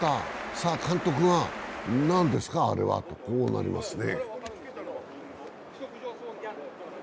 さあ、監督が、何ですかあれはとこうなりますね。